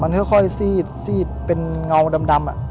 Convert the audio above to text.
มันค่อยซีดเป็นเงาดำ